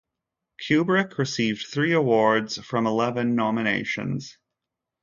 Kubrick received three awards from eleven nominations.